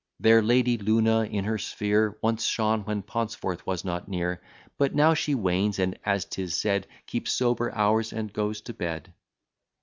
There Lady Luna in her sphere Once shone, when Paunceforth was not near; But now she wanes, and, as 'tis said, Keeps sober hours, and goes to bed.